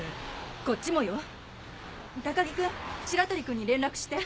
こっちもよ高木君白鳥君に連絡して。